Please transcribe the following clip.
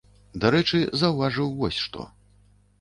Дарэчы, заўважыў вось што.